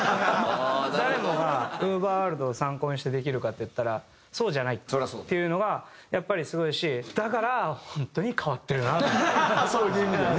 誰もがＵＶＥＲｗｏｒｌｄを参考にしてできるかっていったらそうじゃないっていうのがやっぱりすごいしだからそういう意味でね。